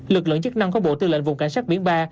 lực lượng chức năng của bộ tư lệnh vùng cảnh sát biển ba